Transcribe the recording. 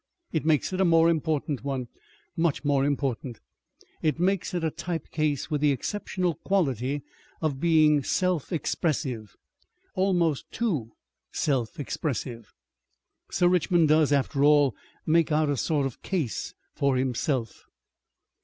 It makes it a more important one, much more important: it makes it a type case with the exceptional quality of being self expressive. Almost too selfexpressive. "Sir Richmond does, after all, make out a sort of case for himself....